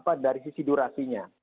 karena dari sisi durasinya